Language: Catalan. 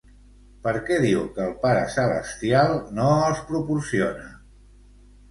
Per què diu que el Pare celestial no els proporciona?